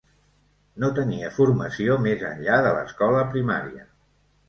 No tenia formació més enllà de l'escola primària.